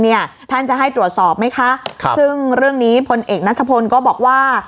เนี่ยท่านจะให้ตรวจสอบไหมคะครับซึ่งเรื่องนี้พลเอกนัทพลก็บอกว่า